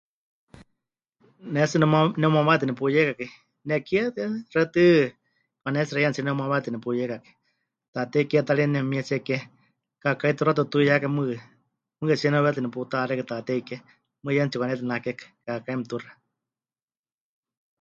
Ne tsɨ neheu... neheumamawetɨ nepuyeikakai, nekie tɨ xewítɨ mɨkanetsixeiyanitsíe neheumamawetɨ nepuyeikakai. Taatei Kie ta ri nemɨmietsie ke, kaakái tuxatɨ putuiyákai mɨɨkɨ, mɨɨkɨtsíe neheuwetɨ neputa'axékai Taatei Kie. Mɨɨkɨ yeme tsipɨkanetinakekai, kaakái mɨtuxa.